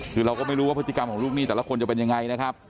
คือเราก็ไม่รู้ว่าพฤติกรรมของลูกหนี้แต่ละคนจะเป็นยังไงนะครับ